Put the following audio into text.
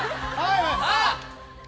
あっ！